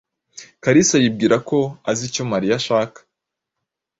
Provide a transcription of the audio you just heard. Kalisa yibwira ko azi icyo Mariya ashaka.